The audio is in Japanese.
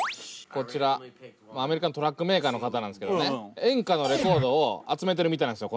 こちらアメリカのトラックメーカーの方なんですけどね演歌のレコードを集めてるみたいなんですよ